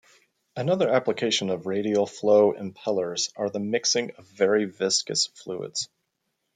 Another application of radial flow impellers are the mixing of very viscous fluids.